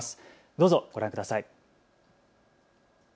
どうぞご覧ください。